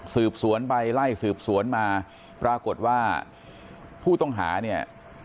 สืบสวนไปไล่สืบสวนมาปรากฏว่าผู้ต้องหาเนี่ย